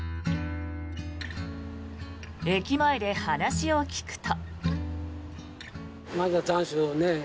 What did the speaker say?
駅前で話を聞くと。